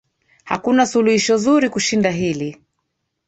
Hakuna suluhisho zuri kushinda hili.